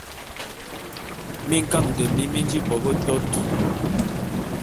Minkaňete mi mi nji bo betot.